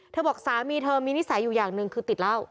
บอกสามีเธอมีนิสัยอยู่อย่างหนึ่งคือติดเหล้า